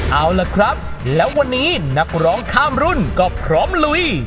เอาล่ะครับแล้ววันนี้นักร้องข้ามรุ่นก็พร้อมลุย